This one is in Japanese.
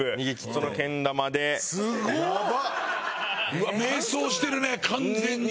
うわっ迷走してるね完全に。